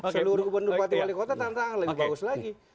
seluruh gubernur pati wali kota tanda tangan lebih bagus lagi